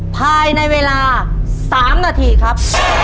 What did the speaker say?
ภายในเวลา๓นาทีครับ